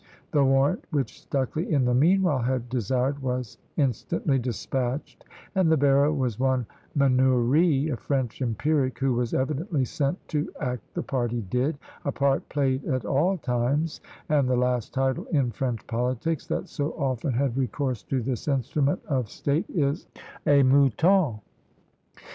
The warrant which Stucley in the meanwhile had desired was instantly despatched, and the bearer was one Manoury, a French empiric, who was evidently sent to act the part he did a part played at all times, and the last title, in French politics, that so often had recourse to this instrument of state, is a Mouton!